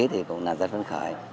thì cũng là rất phấn khởi